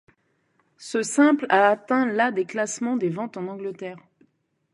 Ce simple a atteint la des classements des ventes en Angleterre.